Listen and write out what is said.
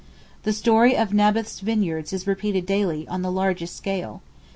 The story of Naboth's vineyard is repeated daily on the largest scale.